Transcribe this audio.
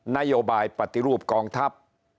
นโยบายปฏิรูปกองทัพ